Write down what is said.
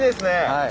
はい。